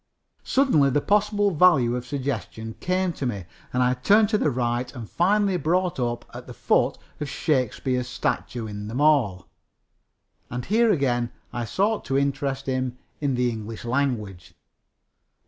Suddenly the possible value of suggestion came to me, and I turned to the right and finally brought up at the foot of Shakespeare's statue in the mall. And here again I sought to interest him in the English language.